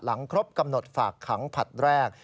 ครบกำหนดฝากขังผลัดแรก